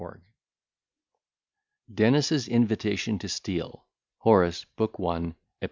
_] DENNIS' INVITATION TO STEELE HORACE, BOOK I, EP.